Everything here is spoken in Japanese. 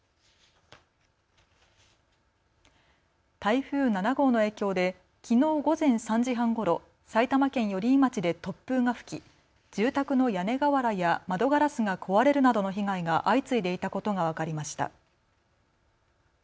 台風７号の影響できのう午前３時半ごろ、埼玉県寄居町で突風が吹き住宅の屋根瓦や窓ガラスが壊れるなどの被害が相次いでいたことが分かりました。